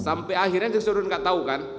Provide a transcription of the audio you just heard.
sampai akhirnya disuruh gak tau kan